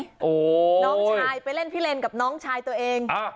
น้องชายไปเล่นพิเลนกับน้องชายตัวเอง